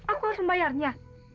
aku harus membayarnya